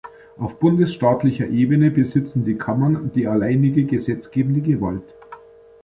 Auf bundesstaatlicher Ebene besitzen die Kammern die alleinige gesetzgebende Gewalt.